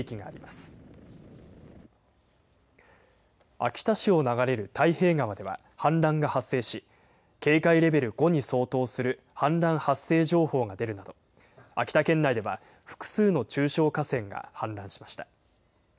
秋田市を流れる太平川では氾濫が発生し、警戒レベル５に相当する氾濫発生情報が出るなど、秋田県内では複数の中小河川が氾濫しました。